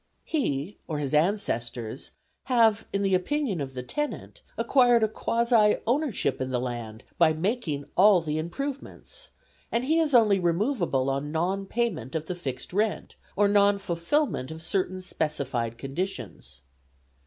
He, or his ancestors have, in the opinion of the tenant, acquired a quasi ownership in the land by making all the improvements, and he is only removable on non payment of the fixed rent, or non fulfilment of certain specified conditions.